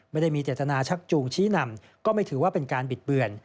ไม่ได้มีเจตนาชักจูงชี้นำก็ไม่ถือว่าเป็นการบิดเบือน